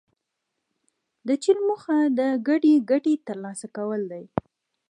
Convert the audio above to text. د چین موخه د ګډې ګټې ترلاسه کول دي.